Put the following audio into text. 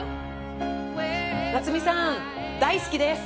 菜摘さん大好きです！